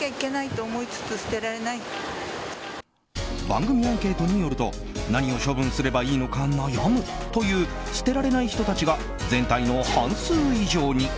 番組アンケートによると何を処分すればいいのか悩むという捨てられない人たちが全体の半数以上に。